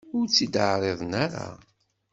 Ur tt-id-ɛriḍen ara.